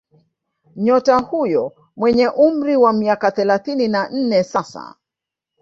Nyota huyo mwenye umri wa miaka thelathini na nne sasa